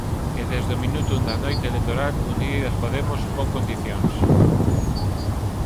E desde o minuto un da noite electoral Unidas Podemos pon condicións.